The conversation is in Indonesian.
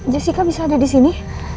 jessica bisa ada di sini